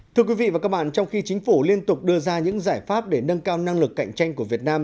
thưa quý vị và các bạn trong khi chính phủ liên tục đưa ra những giải pháp để nâng cao năng lực cạnh tranh của việt nam